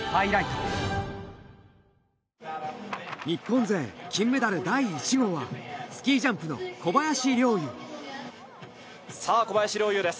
日本勢金メダル第１号はスキージャンプの小林陵侑。